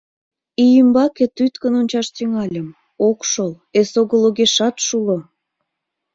Ий ӱмбаке тӱткын ончаш тӱҥальым — ок шол, эсогыл огешат шуло...